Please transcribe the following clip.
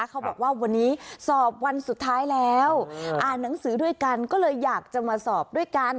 เขาบอกว่าวันนี้สอบวันสุดท้ายแล้วอ่านหนังสือด้วยกันก็เลยอยากจะมาสอบด้วยกัน